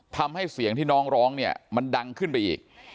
ทำให้เสียงที่น้องร้องเนี่ยมันดังขึ้นไปอีก